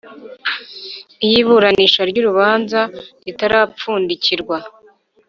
Iyo iburanisha ry urubanza ritarapfundikirwa